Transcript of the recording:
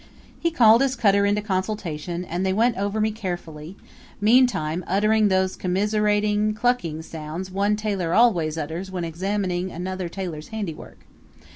He called his cutter into consultation and they went over me carefully, meantime uttering those commiserating clucking sounds one tailor always utters when examining another tailor's handiwork.